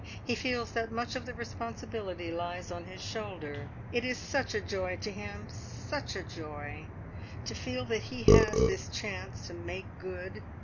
He feels that much of the responsibility lies on his shoulder. It is such a joy to him such a joy! to feel that he has this chance to `make good'.